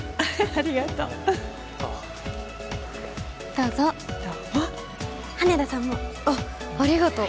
ありがとうあっどうぞどうも羽田さんもあっありがとう